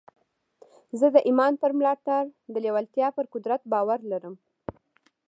زه د ایمان پر ملاتړ د لېوالتیا پر قدرت باور لرم